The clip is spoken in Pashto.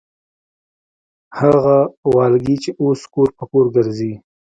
هغه والګي چې اوس کور پر کور ګرځي.